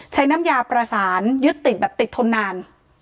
น้ำยาประสานยึดติดแบบติดทนนาน